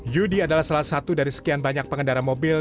yudi adalah salah satu dari sekian banyak pengendara mobil